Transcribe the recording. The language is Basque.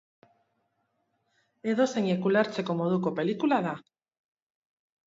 Edozeinek ulertzeko moduko pelikula da.